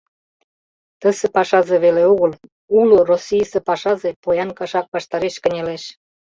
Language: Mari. Тысе пашазе веле огыл, уло Российысе пашазе поян кашак ваштареш кынелеш!